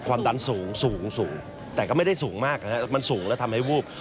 ความดันสูงสูงแต่ก็ไม่ได้สูงมากนะครับมันสูงแล้วทำให้วูบ